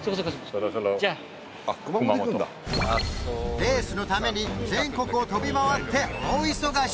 レースのために全国を飛び回って大忙し！